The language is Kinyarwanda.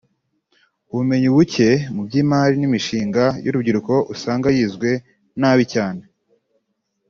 ubumenyi buke mu by’imarin’imishinga y’urubyiruko usanga yizwe nabi cyane